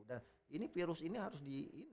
dan virus ini harus ditiupkan gitu kan